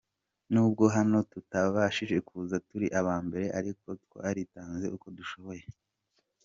Nubwo hano tutabashije kuza turi aba mbere ariko twaritanze uko dushoboye.